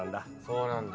そうなんだ。